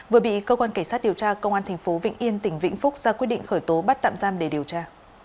vừa bị cơ quan cảnh sát điều tra công an tp vĩnh yên tỉnh vĩnh phúc ra quyết định khởi tố bắt tạm giam để điều tra